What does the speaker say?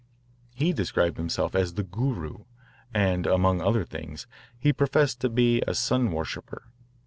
He described himself as the "Guru," and, among other things, he professed to be a sun worshipper.